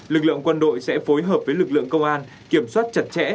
lực lượng quân đội sẽ phối hợp với lực lượng công an kiểm soát chặt chẽ